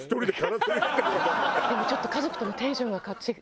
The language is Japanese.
でもちょっと家族ともテンションが違って。